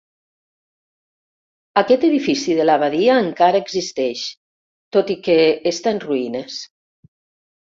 Aquest edifici de l'abadia encara existeix, tot i que està en ruïnes.